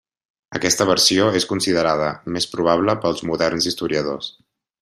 Aquesta versió és considerada més probable pels moderns historiadors.